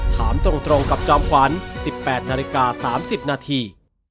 ถามตรงกับจอมขวัญ๑๘นาฬิกา๓๐นาที